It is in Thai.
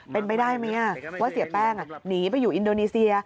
เป็นไปได้ไหมว่าเสียแป้งหนีไปอยู่อินโดนีเซีย